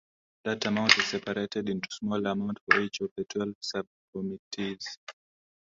That amount is separated into smaller amounts for each of the twelve Subcommittees.